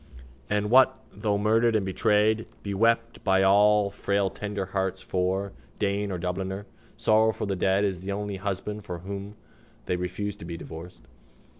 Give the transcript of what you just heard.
And, what though murdered and betrayed, bewept by all frail tender hearts for, Dane or Dubliner, sorrow for the dead is the only husband from whom they refuse to be divorced.